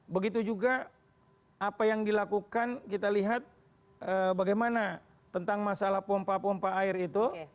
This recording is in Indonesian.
begitu juga apa yang dilakukan kita lihat bagaimana tentang masalah pompa pompa air itu